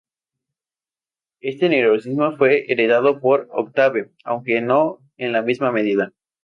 Este nerviosismo fue heredado por Octave, aunque no en la misma medida.